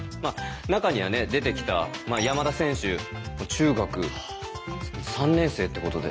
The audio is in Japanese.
中にはね出てきた山田選手中学３年生ってことで。